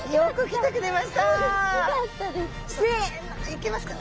いけますか？